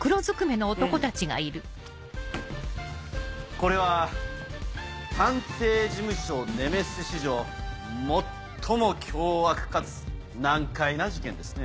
これは探偵事務所ネメシス史上最も凶悪かつ難解な事件ですね。